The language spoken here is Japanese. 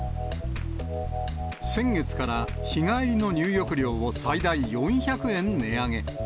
先月から日帰りの入浴料を最大４００円値上げ。